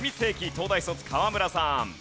東大卒河村さん。